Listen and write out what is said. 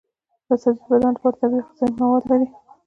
دا سبزی د بدن لپاره طبیعي غذایي مواد لري.